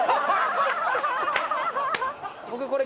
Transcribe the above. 僕これ。